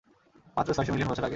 মাত্র ছয়শ মিলিয়ন বছর আগে।